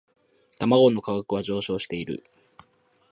卵の価格は上昇している